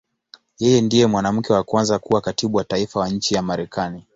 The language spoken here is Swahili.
Yeye ndiye mwanamke wa kwanza kuwa Katibu wa Taifa wa nchi ya Marekani.